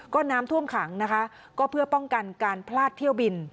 ก็น้ำท่วมขังนะคะก็เพื่อป้องกันการพลาดเที่ยวบิน